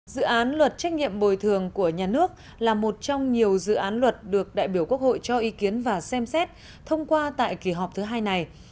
dự án luật trách nhiệm bồi thường của nhà nước là một trong nhiều dự án luật được đại biểu quốc hội cho ý kiến và xem xét thông qua tại kỳ họp thứ hai này